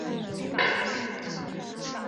张骘开始是段业的属官。